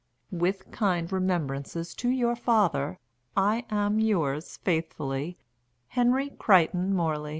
With kind remembrances to your father, I am, yours faithfully HENRY CRICHTON MORLEY.